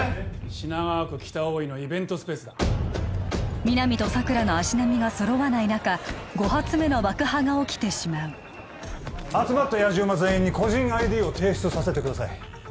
品川区北大井のイベントスペースだ皆実と佐久良の足並みが揃わない中５発目の爆破が起きてしまう集まったやじ馬全員に個人ＩＤを提出させてください